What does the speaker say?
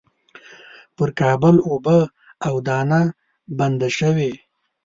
پر کابل اوبه او دانه بنده شوې.